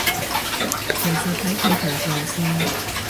其實睇佢條路線